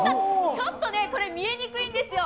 ちょっとね、これ見えにくいんですよ。